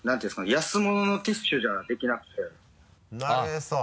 安物のティッシュじゃできなくてなるへそ。